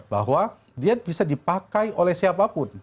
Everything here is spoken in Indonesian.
bahwa dia bisa dipakai oleh siapapun